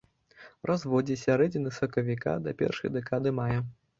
Разводдзе з сярэдзіны сакавіка да першай дэкады мая.